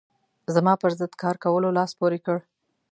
زما پر ضد کار کولو لاس پورې کړ.